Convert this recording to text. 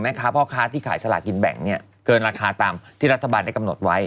พ่อค้าที่ขายสลากินแบ่งเนี่ยเกินราคาตามที่รัฐบาลได้กำหนดไว้